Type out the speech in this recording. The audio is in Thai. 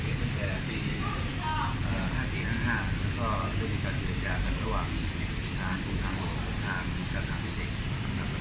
ในการทำเศษในการกลางให้มีความรับเป็นอันนั้นก็จะได้ช่วงมาก